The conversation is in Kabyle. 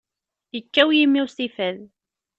Yekkaw yimi-w si fad.